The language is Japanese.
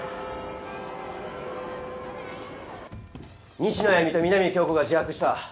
西野歩美と南今日子が自白した。